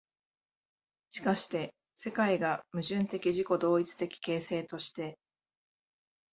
しかして世界が矛盾的自己同一的形成として、